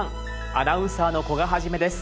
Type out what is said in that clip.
アナウンサーの古賀一です。